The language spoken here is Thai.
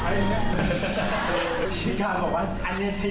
ไอ้นี่เอาไง